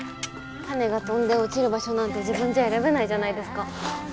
種が飛んで落ちる場所なんて自分じゃ選べないじゃないですか。